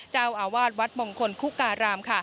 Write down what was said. เจ้าอาวาสวัดมงคลคุการาม